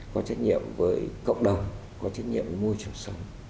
có trách nhiệm với cộng đồng có trách nhiệm với môi trường sống